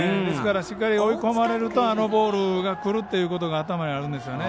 しっかり追い込まれるとあのボールがくるっていうのが頭にあるんですよね。